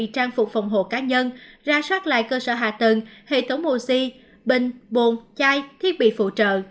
trang phục phòng hộ cá nhân ra soát lại cơ sở hạ tầng hệ thống oxy bình bồn chai thiết bị phụ trợ